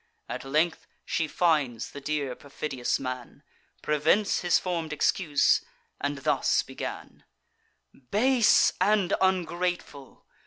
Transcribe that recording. At length she finds the dear perfidious man; Prevents his form'd excuse, and thus began: "Base and ungrateful!